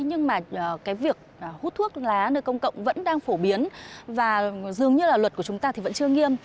nhưng việc hút thuốc lá nơi công cộng vẫn đang phổ biến và dường như luật của chúng ta vẫn chưa nghiêm